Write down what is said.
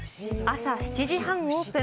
朝７時半オープン。